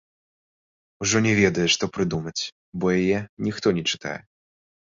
Ужо не ведае, што прыдумаць, бо яе ніхто не чытае.